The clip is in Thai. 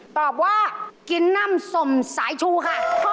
ตอบว่ากินน่ำสมสายชูค่ะ